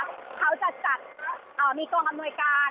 เขาจะจัดมีกองอำนวยการ